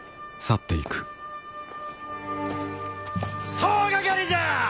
総掛かりじゃあ！